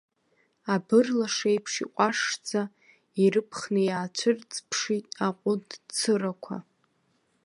Абырлаш еиԥш иҟәашшӡа, ирыԥхны иаацәыҵԥшит аҟәыд цырақәа.